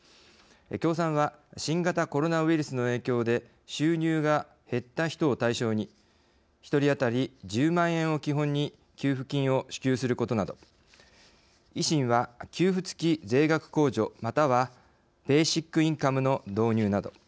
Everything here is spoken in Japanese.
共産は新型コロナウイルスの影響で収入が減った人を対象に一人当たり１０万円を基本に給付金を支給することなど維新は、給付つき税額控除またはベーシックインカムの導入など。